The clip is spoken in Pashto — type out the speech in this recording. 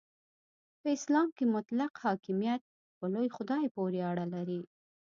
په اسلام کې مطلق حاکمیت په لوی خدای پورې اړه لري.